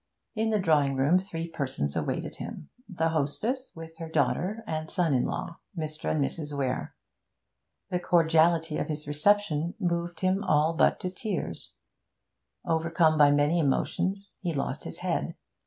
In the drawing room three persons awaited him: the hostess, with her daughter and son in law, Mr. and Mrs. Weare. The cordiality of his reception moved him all but to tears; overcome by many emotions, he lost his head.